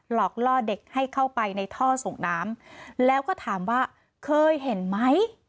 หลอกล่อเด็กให้เข้าไปในท่อส่งน้ำแล้วก็ถามว่าเคยเห็นไหม